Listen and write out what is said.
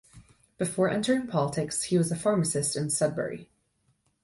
Before entering politics, he was a pharmacist in Sudbury.